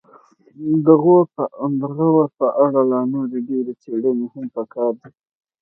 د غور په اړه لا نورې ډېرې څیړنې هم پکار دي